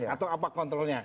atau apa kontrolnya